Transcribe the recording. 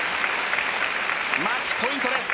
マッチポイントです。